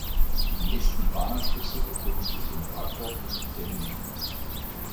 Die nächsten Bahnanschlüsse befinden sich in Rakow und Demmin.